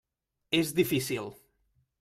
És difícil.